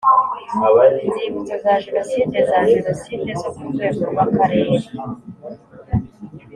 Inzibutso za Jenoside za Jenoside zo ku rwego rw Akarere